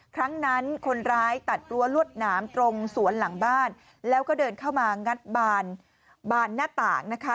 ครั้งนั้นคนร้ายตัดรั้วลวดหนามตรงสวนหลังบ้านแล้วก็เดินเข้ามางัดบานหน้าต่างนะคะ